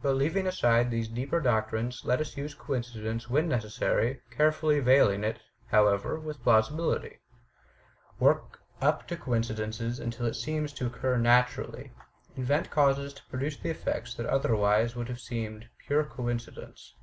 But leaving aside these deeper doctrines, let us use coinci dence when necessary, carefully veiling it, however, with plausibility. Work up to the coincidence until it seems to occur naturally. Invent causes to produce the effects that otherwise would have seemed pure coincidence.